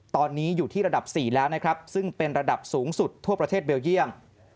ตอนนี้อยู่ที่ระดับ๔แล้วนะครับซึ่งเป็นระดับสูงสุดทั่วประเทศเบลเยี่ยม